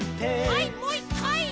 はいもう１かい！